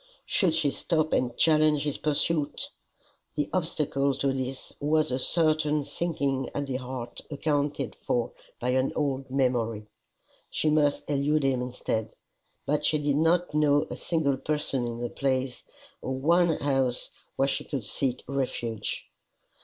Should she stop and challenge his pursuit? The obstacle to this was a certain sinking at the heart accounted for by an old memory. She must elude him instead. But she did not know a single person in the place, or one house where she could seek refuge.